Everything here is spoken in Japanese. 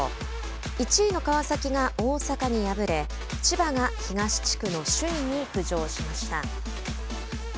１位の川崎が大阪に敗れ千葉が東地区の首位に浮上しました。